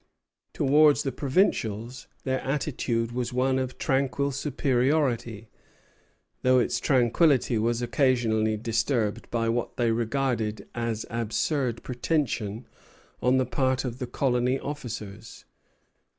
Towards the provincials their attitude was one of tranquil superiority, though its tranquillity was occasionally disturbed by what they regarded as absurd pretension on the part of the colony officers.